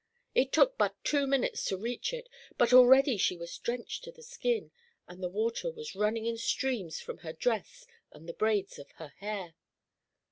It took but two minutes to reach it; but already she was drenched to the skin, and the water was running in streams from her dress and the braids of her hair.